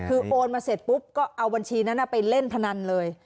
คือโอนมาเสร็จปุ๊บก็เอาบัญชีนั้นไปเล่นพนันเลย